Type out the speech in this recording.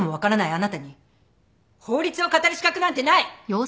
あなたに法律を語る資格なんてない！